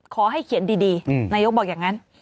ขอให้เขียนดีนายกบอกอย่างนั้น